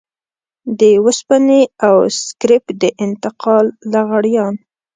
د وسپنې او سکريپ د انتقال لغړيان.